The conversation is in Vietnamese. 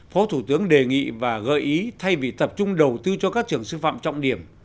phó thủ tướng đề nghị và gợi ý thay vì tập trung đầu tư cho các trường sư phạm trọng điểm